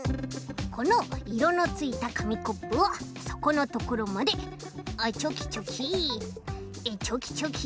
このいろのついたかみコップをそこのところまであっチョキチョキチョキチョキ。